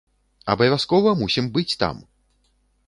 Абавязкова мусім быць там!